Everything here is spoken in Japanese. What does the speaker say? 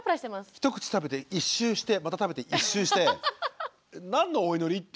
１口食べて１周してまた食べて１周して何のお祈りっていうそれは。